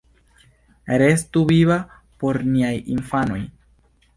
Restu viva por niaj infanoj!